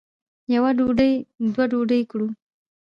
یوه ډوډۍ دوه ډوډۍ کړو.